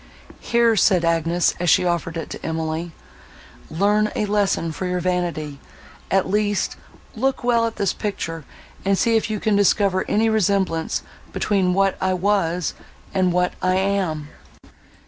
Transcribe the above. "Here," said Agnes, as she offered it to Emily, "learn a lesson for your vanity, at least; look well at this picture, and see if you can discover any resemblance between what I was, and what I am."